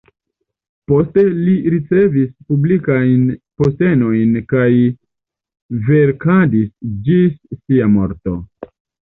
Poste li ricevis publikajn postenojn kaj verkadis ĝis sia morto.